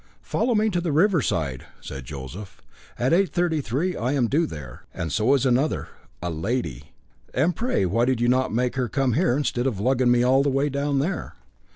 "Follow me to the riverside," said Joseph; "at 8.33 p.m. I am due there, and so is another a lady." "And pray why did you not make her come here instead of lugging me all the way down there?"